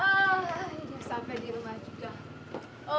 oh udah sampai di rumah juga